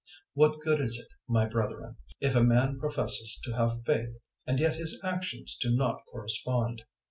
002:014 What good is it, my brethren, if a man professes to have faith, and yet his actions do not correspond?